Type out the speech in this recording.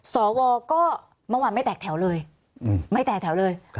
สวก็เมื่อที่ไม่แตกแถวเลย